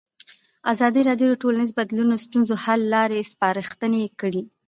ازادي راډیو د ټولنیز بدلون د ستونزو حل لارې سپارښتنې کړي.